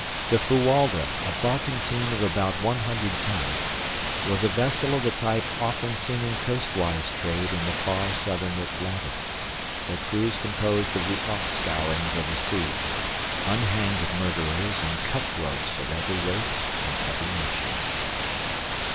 The Fuwalda, a barkentine of about one hundred tons, was a vessel of the type often seen in coastwise trade in the far southern Atlantic, their crews composed of the offscourings of the sea—unhanged murderers and cutthroats of every race and every nation.